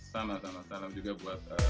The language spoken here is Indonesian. sama sama salam juga buat